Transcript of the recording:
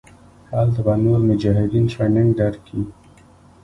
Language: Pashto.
هلته به نور مجاهدين ټرېننگ درکي.